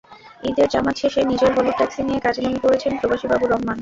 ঈদের জামাত শেষে নিজের হলুদ ট্যাক্সি নিয়ে কাজে নেমে পড়েছেন প্রবাসী বাবু রহমান।